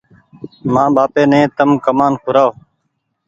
مآن ٻآپي ني ڪمآن تم کورآئو۔